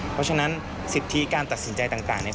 เพราะฉะนั้นสิทธิการตัดสินใจต่างเนี่ย